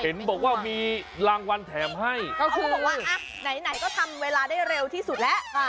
เห็นบอกว่ามีรางวัลแถมให้ก็คือบอกว่าอ่ะไหนก็ทำเวลาได้เร็วที่สุดแล้ว